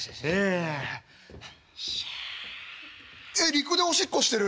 陸でおしっこしてる。